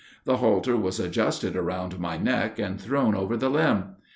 The halter was adjusted around my neck, and thrown over the limb.